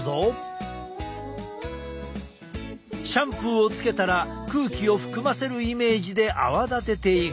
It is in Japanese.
シャンプーをつけたら空気を含ませるイメージで泡立てていく。